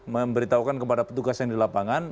memberitahukan kepada petugas yang di lapangan